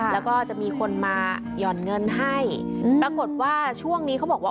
แล้วก็จะมีคนมาหย่อนเงินให้ปรากฏว่าช่วงนี้เขาบอกว่า